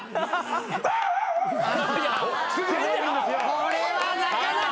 これはなかなか。